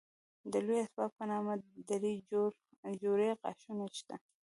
د لوی آسیاب په نامه دری جوړې غاښونه شته.